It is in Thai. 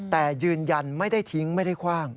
แต่ยืนยันไม่ได้ทิ้งไม่ได้คว่าง